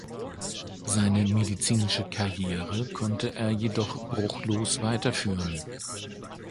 Seine medizinische Karriere konnte er jedoch bruchlos weiterführen.